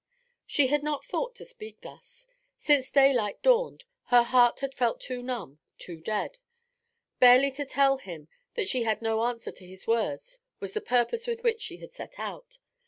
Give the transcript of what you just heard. She had not thought to speak thus. Since daylight dawned her heart had felt too numb, too dead; barely to tell him that she had no answer to his words was the purpose with which she had set out.